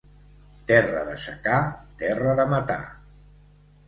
Terra de secà, terra de matar.